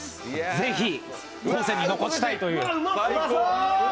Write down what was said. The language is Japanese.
是非、後世に残したいという。